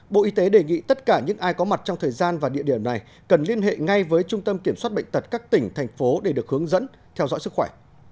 bộ y tế đề nghị tất cả những ai có mặt trong thời gian và địa điểm này cần liên hệ ngay với trung tâm kiểm soát bệnh tật các tỉnh thành phố để được hướng dẫn theo dõi sức khỏe